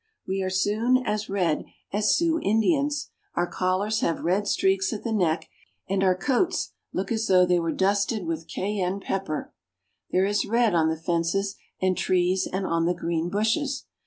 We are soon as red as 26o BRAZIL. Sioux Indians ; our collars have red streaks at the neck, and our coats look as though they were dusted with Cay enne pepper. There is red on the fences and trees and on the green bushes.